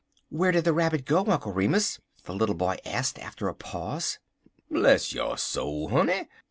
"Where did the Rabbit go, Uncle Remus?" the little boy asked, after a pause. "Bless yo' soul, honey!